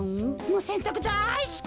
せんたくだいすき。